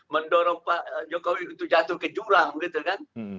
mendorong pak jokowi untuk jatuh ke jurang gitu kan